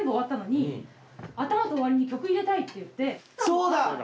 そうだ！